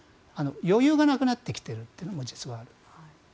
余裕がなくなってきているというのもある。